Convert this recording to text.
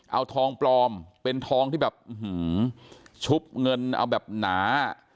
เอาทองปลอมเป็นทองที่แบบชุบเงินเอาแบบหนา